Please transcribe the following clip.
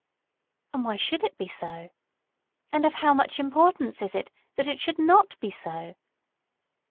And why should it be so? And of how much importance it is that it should not be so?